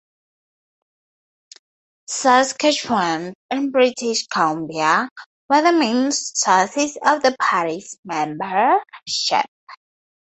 Saskatchewan and British Columbia were the main sources of the party's membership.